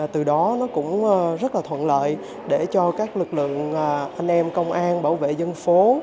từ đó nó cũng rất là thuận lợi để cho các lực lượng anh em công an bảo vệ dân phố